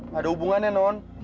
gak ada hubungannya non